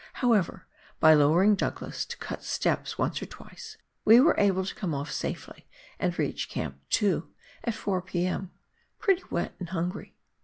However, by lowering Douglas to cut steps once or twice, we were able to come off safely and reach Camp 2 at 4 P.M. pretty wet and hungry.